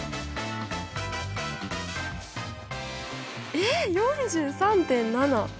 えっ４３．７。